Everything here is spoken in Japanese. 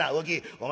お前